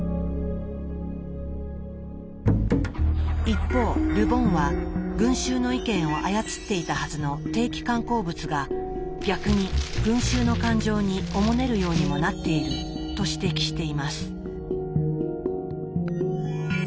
一方ル・ボンは群衆の意見を操っていたはずの定期刊行物が逆に群衆の感情におもねるようにもなっていると指摘しています。